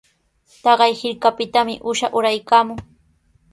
Taqay hirkapitami uusha uraykaamun.